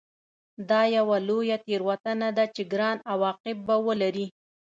دا یوه لویه تېروتنه ده چې ګران عواقب به ولري